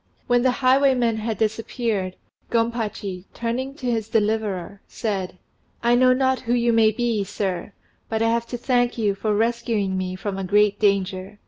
When the highwaymen had disappeared, Gompachi, turning to his deliverer, said "I know not who you may be, sir, but I have to thank you for rescuing me from a great danger."